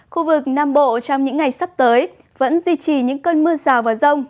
khu vực nam bộ trong những ngày sắp tới vẫn duy trì những cơn mưa rào và rông